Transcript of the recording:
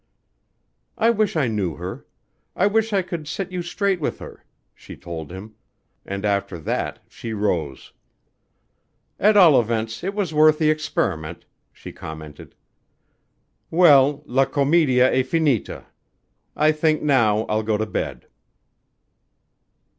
"I wish I knew her. I wish I could set you straight with her," she told him and after that she rose. "At all events it was worth the experiment," she commented. "Well, 'la comedia e finita.' I think now I'll go to bed."